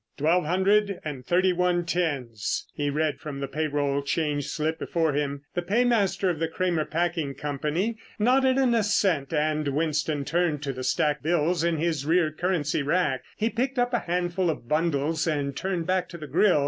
"Twelve hundred and thirty one tens," he read from the payroll change slip before him. The paymaster of the Cramer Packing Company nodded an assent and Winston turned to the stacked bills in his rear currency rack. He picked up a handful of bundles and turned back to the grill.